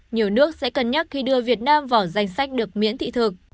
nhiều nước sẽ cân nhắc khi đưa việt nam vào danh sách được miễn thị thực